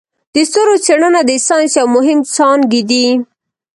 د ستورو څیړنه د ساینس یو مهم څانګی دی.